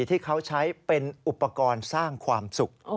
ที่เขาใช้เป็นอุปกรณ์สร้างความสุข